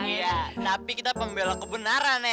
iya tapi kita membela kebenaran ya